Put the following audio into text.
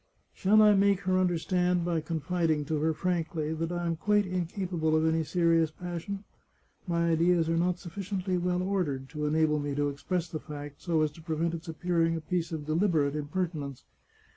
" Shall I make her understand by confiding to her frankly that I am quite incapable of any serious passion? My ideas are not sufficiently well ordered to enable me to express the fact so as to prevent its appearing a piece of deliberate impertinence.